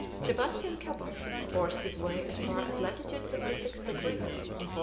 Sebastian Cabot forced his way as far as latitude 56 degrees in 1498.